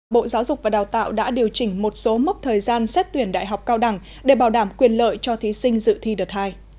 bộ giáo dục và đào tạo đã điều chỉnh một số mốc thời gian xét tuyển đại học cao đẳng để bảo đảm quyền lợi cho thí sinh dự thi đợt hai